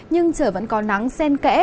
nhưng trời vẫn có nắng sen kẽ